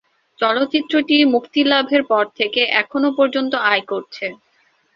চলচ্চিত্রটি মুক্তিলাভের পর থেকে এখনও পর্যন্ত আয় করেছে।